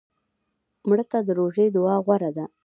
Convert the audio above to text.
مړه ته د روژې دعا غوره ده